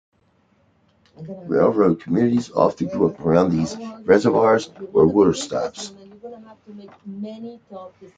Railroad communities often grew up around these reservoirs or water stops.